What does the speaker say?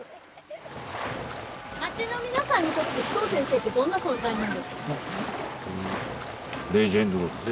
町の皆さんにとって須藤先生ってどんな存在なんですか？